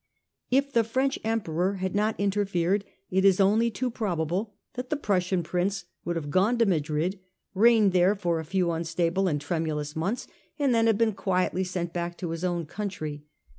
If the French Emperor had not interfered, it is only too probable that the Prussian prince would have gone to Madrid, reigned there for a few unstable and tremulous months, and then have been quietly sent back to his own country.